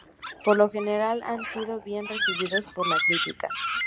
Por lo general, han sido bien recibidos por la crítica.